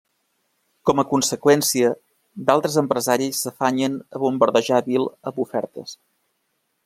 Com a conseqüència, d'altres empresaris s'afanyen a bombardejar Bill amb ofertes.